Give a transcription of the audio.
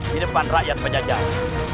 di depan rakyat pajajar